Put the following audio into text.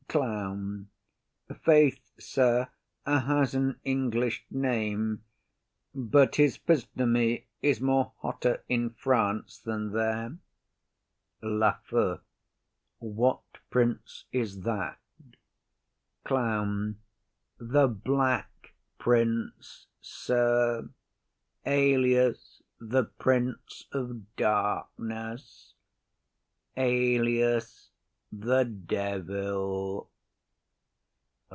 CLOWN. Faith, sir, 'a has an English name; but his phisnomy is more hotter in France than there. LAFEW. What prince is that? CLOWN. The black prince, sir; alias the prince of darkness; alias the devil.